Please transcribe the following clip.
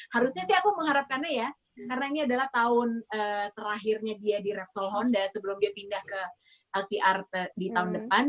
harusnya sih aku mengharapkannya ya karena ini adalah tahun terakhirnya dia di repsol honda sebelum dia pindah ke lcr di tahun depan